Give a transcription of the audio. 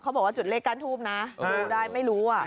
เขาบอกว่าจุดเลขการทูปนะดูได้ไม่รู้ว่ะคุณผู้ชม